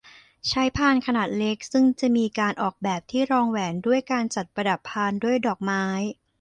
ใช้พานขนาดเล็กซึ่งจะมีการออกแบบที่รองแหวนด้วยการจัดประดับพานด้วยดอกไม้